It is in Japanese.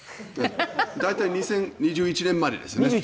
大体２０２１年までですね。